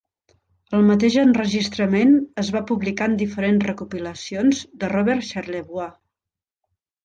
El mateix enregistrament es va publicar en diferents recopilacions de Robert Charlebois.